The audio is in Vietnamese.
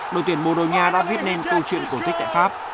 đội tuyển bồ đồ nhà đã viết nên câu chuyện cổ tích tại pháp